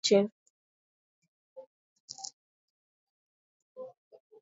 Imepewa jukumu kutekeleza Sheria ya Uhuru wa Habari nchini